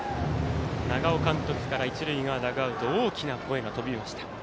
長尾監督から一塁側ダグアウト大きな声が飛びました。